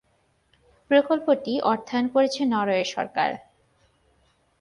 প্রকল্পটি অর্থায়ন করেছে নরওয়ে সরকার।